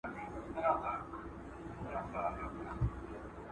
کندهار ښکلی ولایت دئ